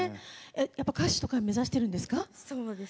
やっぱり、歌手とか目指してるんですか？